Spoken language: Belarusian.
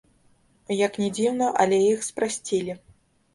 Як ні дзіўна, але іх спрасцілі.